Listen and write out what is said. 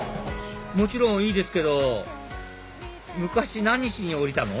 もちろんいいですけど昔何しに降りたの？